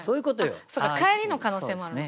そっか帰りの可能性もあるのか。